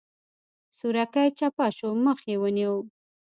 سورکی چپه شو مخ يې ونيو.